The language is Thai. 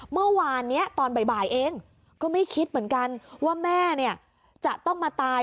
เมื่อวานนี้ตอนบ่ายเองก็ไม่คิดเหมือนกันว่าแม่เนี่ยจะต้องมาตาย